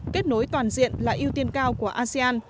kết nối toàn diện là ưu tiên cao của asean